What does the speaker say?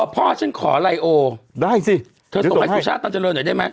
พ่อฉันขอไลโอได้สิเธอส่งให้สุชาติตันเจริญหน่อยได้ไหม